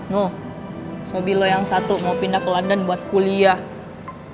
loh sobi lo yang satu mau pindah ke london buat kuliah